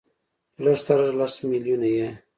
لږ تر لږه لس ملیونه یې